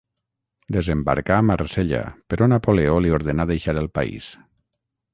Desembarcà a Marsella però Napoleó li ordenà deixar el país.